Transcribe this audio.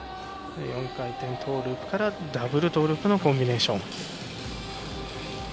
４回転トウループからダブルトウループのコンビネーション。